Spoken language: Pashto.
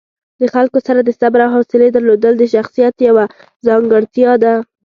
د خلکو سره د صبر او حوصلې درلودل د شخصیت یوه ځانګړتیا ده.